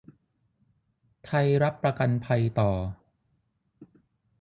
ไทยรับประกันภัยต่อ